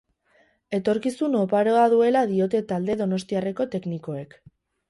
Etorkizun oparoa duela diote talde doniostiarreko teknikoek.